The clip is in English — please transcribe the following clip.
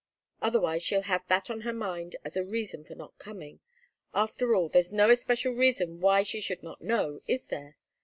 Otherwise she'll have that on her mind as a reason for not coming. After all, there's no especial reason why she should not know, is there?